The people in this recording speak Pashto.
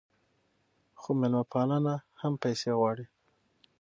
خو میلمه پالنه هم پیسې غواړي.